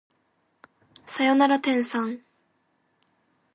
さよなら天さん